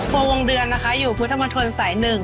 โบวงเดือนนะคะอยู่ผุ่ตามทนสาย๑